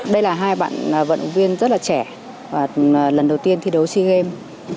đây là hai bạn vận động viên rất là trẻ và lần đầu tiên thi đấu sea games